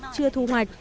chưa thu hoạch